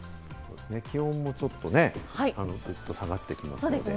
気温もちょっとね、ぐっと下がってきますので。